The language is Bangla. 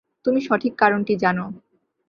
তুমি সঠিক কারণটি জান।